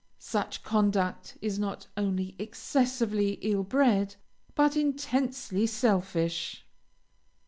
Such conduct is not only excessively ill bred, but intensely selfish.